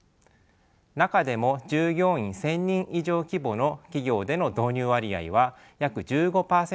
中でも従業員１，０００人以上規模の企業での導入割合は約１５％まで増えました。